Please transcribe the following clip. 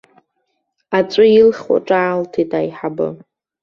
Аҵәы илхуа ҿаалҭит аиҳабы.